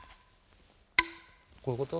こういうこと？